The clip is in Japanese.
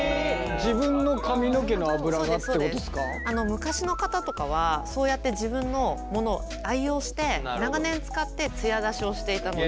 昔の方とかはそうやって自分のものを愛用して長年使ってツヤ出しをしていたので。